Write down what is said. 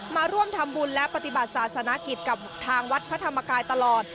มาร่วมทำบุญและปฏิบัติศาสนกิจกับทางวัดพระธรรมกายตลอด